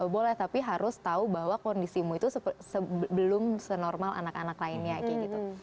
boleh tapi harus tahu bahwa kondisimu itu sebelum senormal anak anak lainnya kayak gitu